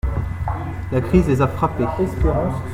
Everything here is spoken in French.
La crise les a frappés.